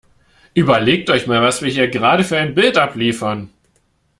Überlegt euch mal, was wir hier gerade für ein Bild abliefern!